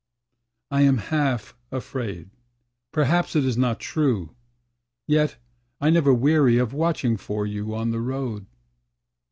I am half afraid; perhaps it is not true; Yet I never weary of watching for you on the road.